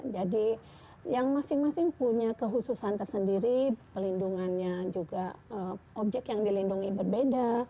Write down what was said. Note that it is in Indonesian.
jadi yang masing masing punya kehususan tersendiri pelindungannya juga objek yang dilindungi berbeda